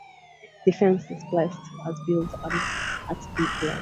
"Defence" displaced as built and at deep load.